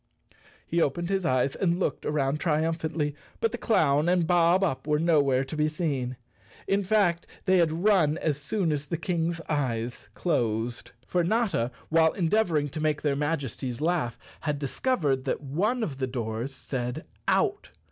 He opened his eyes and looked around triumphantly, but the clown and Bob Up were nowhere to be seen. In fact they had run as soon as the Kang's eyes closed. For Notta, while endeavoring to make their Majesties laugh, had discovered that one of the doors said "Out."